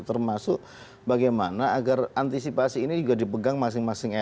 termasuk bagaimana agar kita bisa mengatasi hal ini